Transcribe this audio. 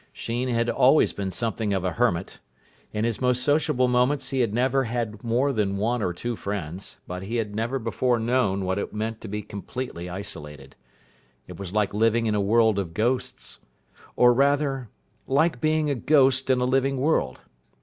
Sheen had always been something of a hermit. In his most sociable moments he had never had more than one or two friends; but he had never before known what it meant to be completely isolated. It was like living in a world of ghosts, or, rather, like being a ghost in a living world.